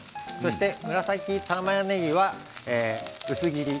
紫たまねぎは薄切り。